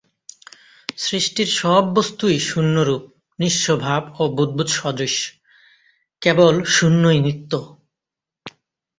সৃষ্টির সব বস্ত্তই শূন্যরূপ, নিঃস্বভাব ও বুদবুদসদৃশ; কেবল শূন্যই নিত্য।